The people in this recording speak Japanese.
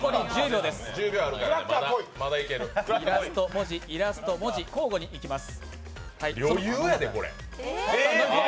イラスト、文字、イラスト、文字と交互にいきます。